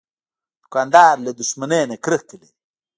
دوکاندار له دښمنۍ نه کرکه لري.